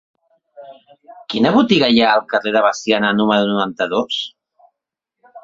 Quina botiga hi ha al carrer de Veciana número noranta-dos?